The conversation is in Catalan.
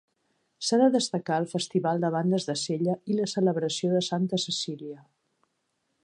S'ha de destacar el Festival de Bandes de Sella i la celebració de Santa Cecília.